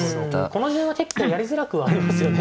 この辺は結構やりづらくはありますよね